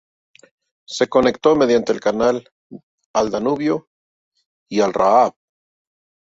Se conectó mediante un canal al Danubio y al Raab.